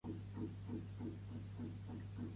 Si ens preguntes com ens fa sentir això,